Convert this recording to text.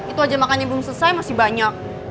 itu aja makannya belum selesai masih banyak